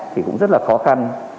thì cũng rất khó khăn